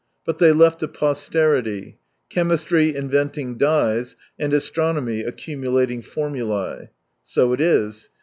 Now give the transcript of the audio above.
But they left a posterity — chemistry inventing dyes, and astronomy accumulating formulae. So it is.